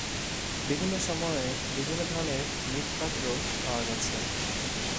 বিভিন্ন সময়ে বিভিন্ন ধরনের মৃৎপাত্র পাওয়া গেছে।